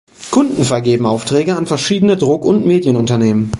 Kunden vergeben Aufträge an verschiedene Druck- und Medienunternehmen.